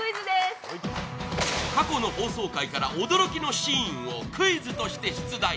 過去の放送回から、驚きのシーンをクイズとして出題。